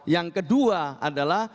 yang kedua adalah